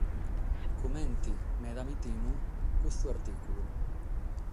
Comente – meda mi timo – custu artìculu.